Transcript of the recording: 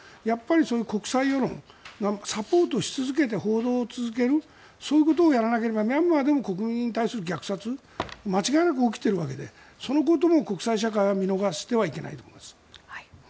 やっぱりそういう国際世論サポートし続けて報道を続けるそういうことをやらなければミャンマーでも国民に対する虐殺が間違いなく起きているわけでそのことも国際社会は見逃してはいけないと思います。